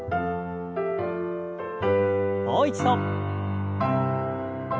もう一度。